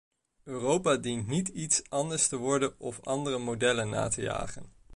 Europa dient niet iets anders te worden of andere modellen na te jagen.